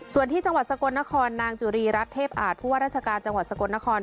ส่วนที่จังหวัดสกลนครนางจุรีรัฐเทพอาจผู้ว่าราชการจังหวัดสกลนคร